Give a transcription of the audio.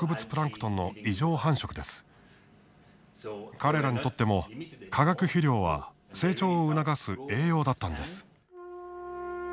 彼らにとっても化学肥料は成長を促す栄養だったんです。